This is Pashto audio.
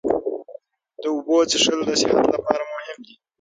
د اوبو څښل د صحت لپاره مهم دي.